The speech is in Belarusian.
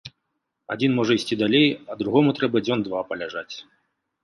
Адзін можа ісці далей, а другому трэба дзён два паляжаць.